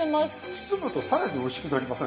包むと更においしくなりません？